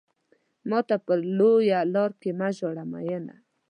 ماته په لويه لار کې مه ژاړه مينه.